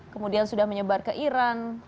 kemudian sudah menyebar ke iran